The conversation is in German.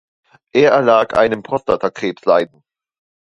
Er erlag einem Prostatakrebs leiden.